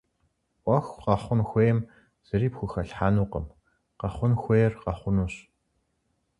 Ӏуэху къэхъун хуейм зыри пхухэлъхьэнукъым - къэхъун хуейр къэхъунущ.